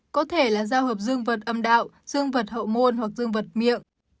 có thể là giao hợp dương vật âm đạo dương vật hậu muôn hoặc dương vật miệng